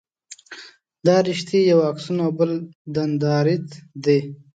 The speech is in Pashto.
دا رشتې یو اکسون او بل دنداریت دي.